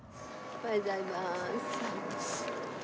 おはようございます。